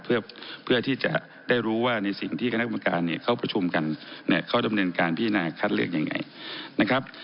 เพื่อที่จะได้รู้ว่าในสิ่งที่คณะกรรมการเนี่ยเขาประชุมกันเนี่ยเขาดำเนินการพิจารณาคัดเลือกยังไงนะครับ